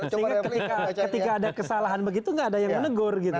sehingga ketika ada kesalahan begitu nggak ada yang menegur gitu